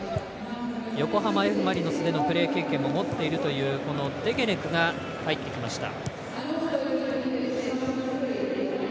横浜Ｆ・マリノスでのプレー経験も持っているというこのデゲネクが入ってきました。